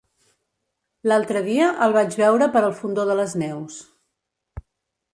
L'altre dia el vaig veure per el Fondó de les Neus.